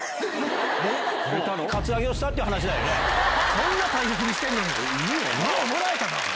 そんな大切にしてんのにようもらえたな！